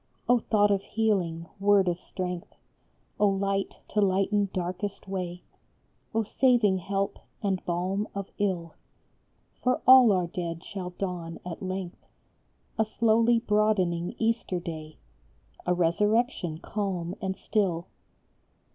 O thought of healing, word of strength ! O light to lighten darkest way ! O saving help and balm of ill ! For all our dead shall dawn at length A slowly broadening Easter Day, A Resurrection calm and still.